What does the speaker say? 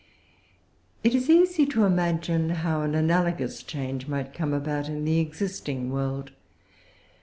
It is easy to imagine how an analogous change might come about in the existing world.